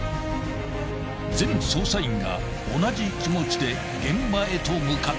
［全捜査員が同じ気持ちで現場へと向かった］